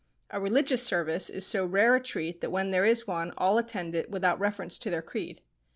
A religious service is so rare a treat that when there is one all attend it without reference to their creed.